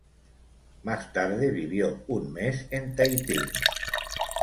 Más tarde vivió un mes en Taiping.